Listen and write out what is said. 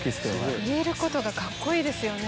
言えることがカッコいいですよね。